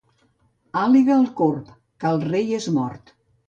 Àliga al corb, que el rei és mort.